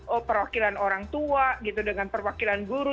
oh perwakilan orang tua gitu dengan perwakilan guru